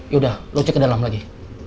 yaudah lo cek ke dalam lagi